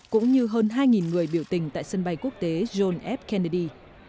cũng như hơn hai người biểu tình tại sân bay quốc tế john f kennedy